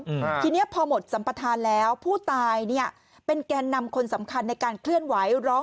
พี่เบิ้ลกล้อมทีนี้พอหมดสัมปทานแล้วผู้ตายเป็นแก่นำคนสำคัญในการเคลื่อนไหว